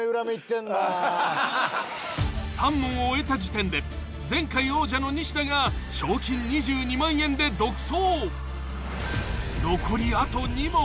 ［３問を終えた時点で前回王者のニシダが賞金２２万円で独走］